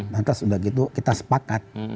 nanti sudah gitu kita sepakat